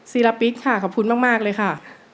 ศิลปิ๊กค่ะขอบคุณมากเลยค่ะ